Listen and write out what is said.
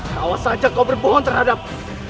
paman jangan saja kamu berbohong terhadap aku